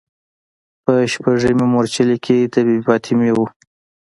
په شپږمې مورچلې کې د بي بي فاطمې و.